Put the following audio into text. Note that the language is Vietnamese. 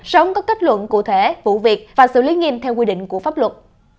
sống các kết luận cụ thể vụ việc và xử lý nghiêm theo quy định của pháp luật